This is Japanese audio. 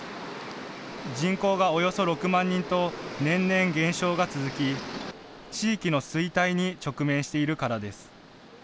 人口がおよそ６万人と、年々減少が続き、地域の衰退に直面しているからです。